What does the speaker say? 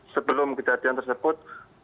sebelum kejadian tersebut